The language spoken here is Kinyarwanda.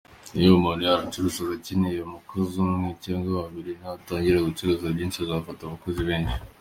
Niba umuntu yacuruzaga akeneye umukozi umwe cyangwa babiri, natangira gucuruza byinshi azafata abakozi benshi.